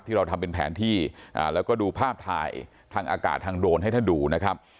ที่เราทำเป็นแผนที่แล้วก็ดูภาพถ่ายทางอากาศทางโดรน